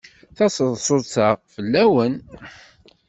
Taseḍsut-a fell-awen.